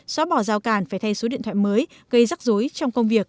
xóa bỏ giao càn phải thay số điện thoại mới gây rắc rối trong công việc